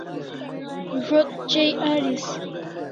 Zo't chai aris